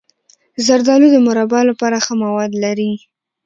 زردالو د مربا لپاره ښه مواد لري.